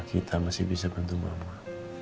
kita masih bisa bantu bapak